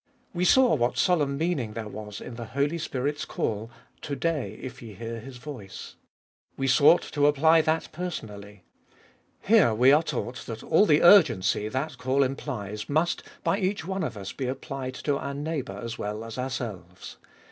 We saw what solemn meaning there was in the Holy Spirit's call, To day, if ye hear His voice. We sought to apply that personally. Here we are taught that all the urgency that call implies must by each one of us be applied to our neighbour as well as ourselves.